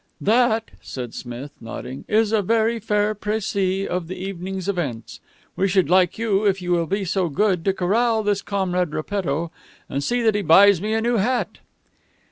"That," said Smith, nodding, "is a very fair precis of the evening's events. We should like you, if you will be so good, to corral this Comrade Repetto, and see that he buys me a new hat."